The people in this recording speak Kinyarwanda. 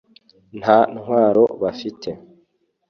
nta ntwaro bafite